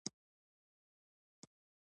هندوکش د اقتصادي ودې لپاره ارزښت لري.